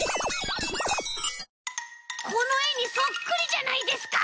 このえにそっくりじゃないですか！